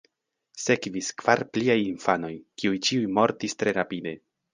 Sekvis kvar pliaj infanoj, kiuj ĉiuj mortis tre rapide.